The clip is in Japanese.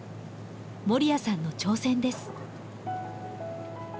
守屋さんの挑戦です。